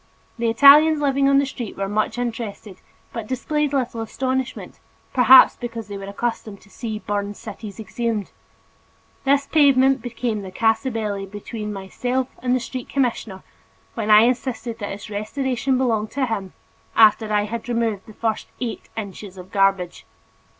The Italians living on the street were much interested but displayed little astonishment, perhaps because they were accustomed to see buried cities exhumed. This pavement became the casus belli between myself and the street commissioner when I insisted that its restoration belonged to him, after I had removed the first eight inches of garbage.